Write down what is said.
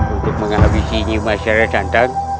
untuk menghabisinya masyarakat